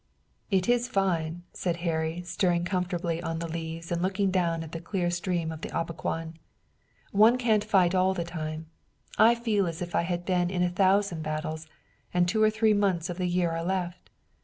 "It is fine," said Harry, stirring comfortably on the leaves and looking down at the clear stream of the Opequon. "One can't fight all the time. I feel as if I had been in a thousand battles, and two or three months of the year are left.